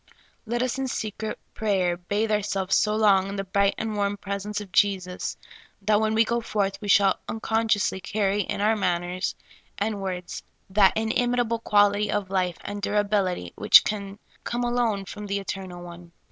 I^et us in secret prayer bathe ourselves so long in the bright and warm presence of Jesus that when we go forth we shall un conscioUvSly carry in our manners and words that in 20 SOUL FOOD. imitable quality of life and durability which can come alone from the Eternal One.